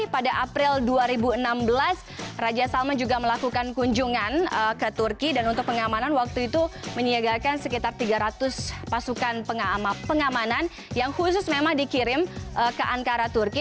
pada april dua ribu enam belas raja salman juga melakukan kunjungan ke turki dan untuk pengamanan waktu itu menyiagakan sekitar tiga ratus pasukan pengamanan yang khusus memang dikirim ke ankara turki